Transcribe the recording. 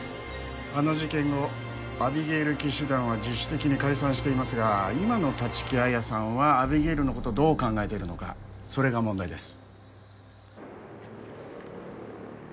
あの事件後アビゲイル騎士団は自主的に解散していますが今の立木彩さんはアビゲイルの事どう考えているのかそれが問題です。